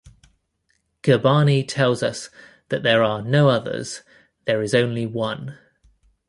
Gurbani tells us that there are "no others", "there is only One".